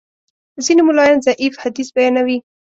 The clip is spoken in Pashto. ځینې ملایان ضعیف حدیث بیانوي.